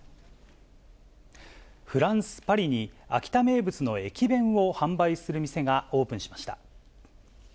フランス・パリに秋田名物の駅弁を販売する店がオープンしました。